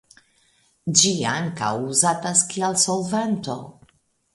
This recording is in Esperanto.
Ĝi ankaŭ uzatas kiel solvanto.